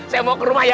saya mau ke rumah ya